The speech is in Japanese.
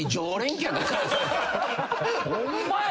ホンマや。